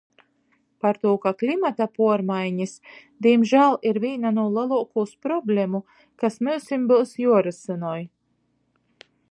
Partū ka klimata puormainis dīmžāl ir vīna nu leluokūs problemu, kas mums byus juorysynoj.